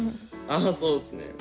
ああそうっすね。